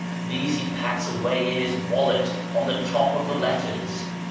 These he packs away in his wallet on the top of the letters.